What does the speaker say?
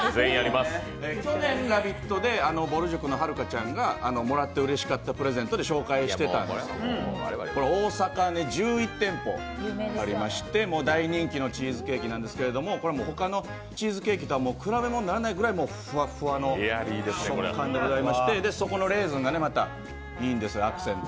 去年「ラヴィット！」でぼる塾のはるかちゃんがもらってうれしかったプレゼントで紹介してたんですけど、大阪に１１店舗ありまして、もう大人気のチーズケーキなんですけど他のチーズケーキとは比べ物にならないほどふわふわの食感で、底のレーズンがまたいいんです。